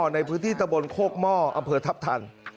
ในพื้นที่ตะบนโคกหม้ออำเภอทัพทัน